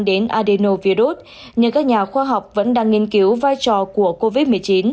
đến adenovirus nhưng các nhà khoa học vẫn đang nghiên cứu vai trò của covid một mươi chín